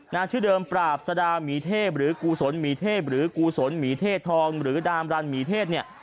ชื่อเดิมปราบสดาหมีเทพหรือกุศลหมีเทพหรือกุศลหมีเทศทองหรือดามรันหมีเทศเนี่ย